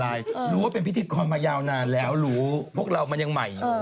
รู้ว่าเป็นพิธีกรมายาวนานแล้วรู้พวกเรามันยังใหม่อยู่